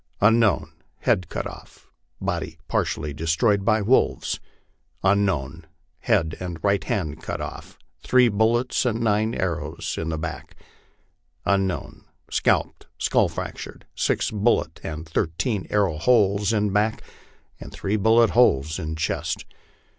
" Unknown, head cut off, body partially destroyed by wolves. "Unknown, head and right hand cut off, .... three bullet and nine arrow holes in back. " Unknown, scalped, skull fractured, six bullet and thirteen arrow holes in back, and three bullet holes in chest."